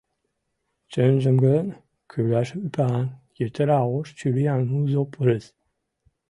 Чынжым гын, кӱляш ӱпан, йытыра ош чуриян узо пырыс.